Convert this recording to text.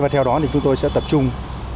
theo đó chúng tôi sẽ tập trung